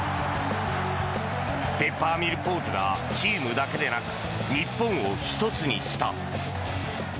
ペッパーミルポーズがチームだけでなく日本を１つにした。